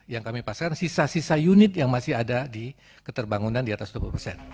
yang kami pasarkan sisa sisa unit yang masih ada di keterbangunan diatas dua puluh